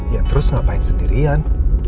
ya terus ngapain sendirian